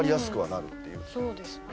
そうですね。